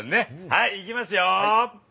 はいいきますよ。